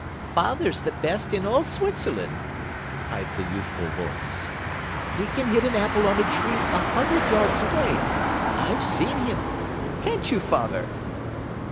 "Father's the best shot in all Switzerland," piped a youthful voice. "He can hit an apple on a tree a hundred yards away. I've seen him. Can't you, father?"